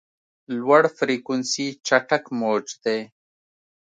لوړ فریکونسي چټک موج دی.